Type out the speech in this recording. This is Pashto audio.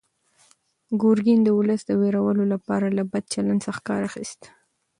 ګورګین د ولس د وېرولو لپاره له بد چلند څخه کار اخیست.